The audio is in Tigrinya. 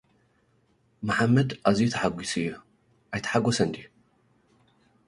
መሓመድ ኣዝዩ ተሓጒሱ'ዩ፡ ኣይተሓጐሰን ድዩ?